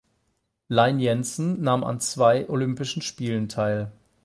Iain Jensen nahm an zwei Olympischen Spielen teil.